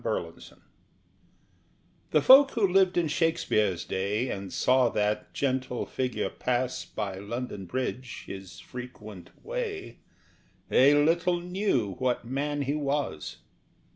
GUILIELMUS REX The folk who lived in Shakespeare's day And saw that gentle figure pass By London Bridge, his frequent way They little knew what man he was.